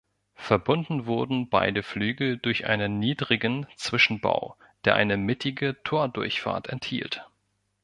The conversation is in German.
Verbunden wurden beide Flügel durch einen niedrigen Zwischenbau, der eine mittige Tordurchfahrt enthielt.